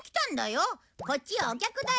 こっちはお客だよ。